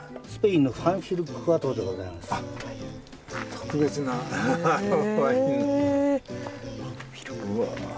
特別なワイン。え！